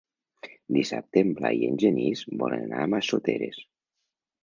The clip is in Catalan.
Dissabte en Blai i en Genís volen anar a Massoteres.